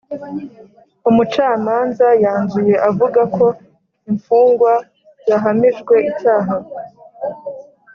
umucamanza yanzuye avuga ko imfungwa yahamijwe icyaha.